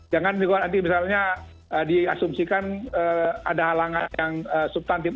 jangan misalnya di asumsikan ada halangan yang subtantif